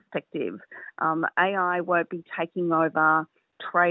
semua perlu lebih baik diketahui